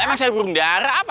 emang sel burung darah apa